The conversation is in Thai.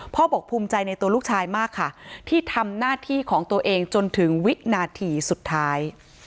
พ่อบอกภูมิใจในตัวลูกชายมากค่ะที่ทำหน้าที่ของตัวเองจนถึงวินาทีสุดท้าย